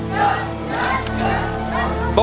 หยุดหยุดหยุด